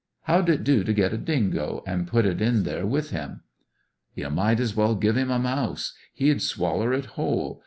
How'd it do to get a dingo, and put it in there with him!" "You might as well give him a mouse. He'd swaller it whole.